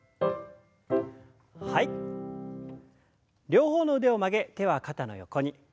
両方の腕を曲げ手は肩の横に。